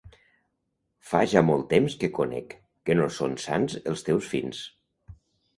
Fa ja molt temps que conec, que no són sants els teus fins.